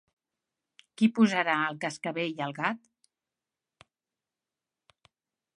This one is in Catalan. Qui posarà el cascavell al gat?